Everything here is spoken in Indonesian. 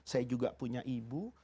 saya juga punya ibu